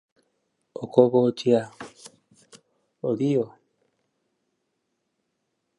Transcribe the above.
It synapses with an interneuron in the gracile nucleus.